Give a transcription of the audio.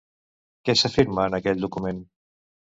Què s'afirma en aquest document?